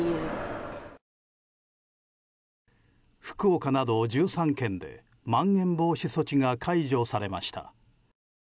福岡など１３県でまん延防止措置が解除されました。